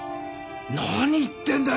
何言ってんだよ